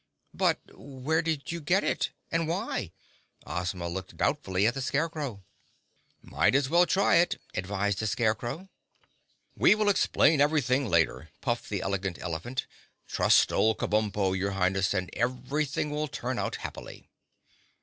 "But where did you get it—and why?" Ozma looked doubtfully at the Scarecrow. "Might as well try it," advised the Scarecrow. "We will explain everything later," puffed the Elegant Elephant. "Trust old Kabumpo, your Highness, and everything will turn out happily."